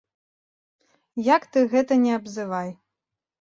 Як ты гэта ні абзывай.